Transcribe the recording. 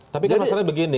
tapi kan masalahnya begini